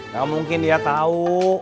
ya mungkin dia tahu